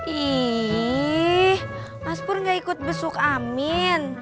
ih mas pur nggak ikut besuk amin